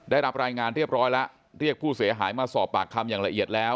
ได้รับรายงานเรียบร้อยแล้วเรียกผู้เสียหายมาสอบปากคำอย่างละเอียดแล้ว